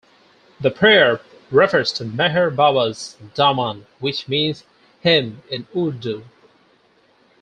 The prayer refers to Meher Baba's "daaman", which means "hem" in Urdu.